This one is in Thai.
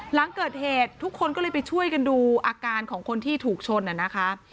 หลังเกิดเหตุทุกคนก็เลยไปช่วยกันดูอาการของคนที่ถูกชนนะคะ